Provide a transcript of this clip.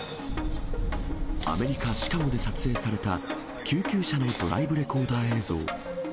アメリカ・シカゴで撮影された救急車のドライブレコーダー映像。